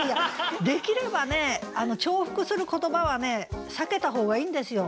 できればね重複する言葉はね避けた方がいいんですよ。